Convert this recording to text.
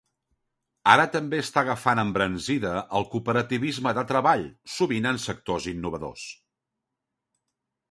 Ara també està agafant embranzida el cooperativisme de treball, sovint en sectors innovadors.